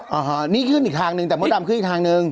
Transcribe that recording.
อ่าจ้ะนี่ขึ้นอีกทางนึงแต่เมื่อดำขึ้นอีกทางหนึ่ง